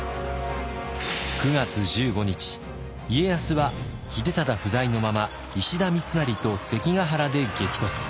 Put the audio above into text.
９月１５日家康は秀忠不在のまま石田三成と関ヶ原で激突。